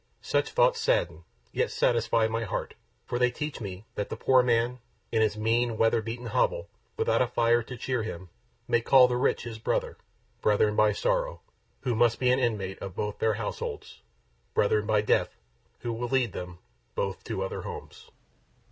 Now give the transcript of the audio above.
Such thoughts sadden, yet satisfy my heart; for they teach me that the poor man, in his mean, weather beaten hovel, without a fire to cheer him, may call the rich his brother, brethren by Sorrow, who must be an inmate of both their households, brethren by Death, who will lead them, both to other homes.